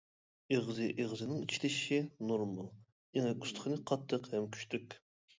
ئېغىزى ئېغىزىنىڭ چىشلىشىشى نورمال، ئېڭەك ئۇستىخىنى قاتتىق ھەم كۈچلۈك.